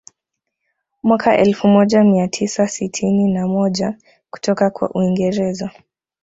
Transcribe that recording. Mwaka elfu moja mia tisa sitini na moja kutoka kwa Uingereza